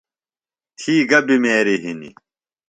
تھی گہ بِمیریۡ ہِنیۡ؟